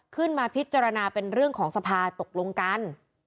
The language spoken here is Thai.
ขึ้นมาพิจารณาเป็นเรื่องของสภาตกลงกัน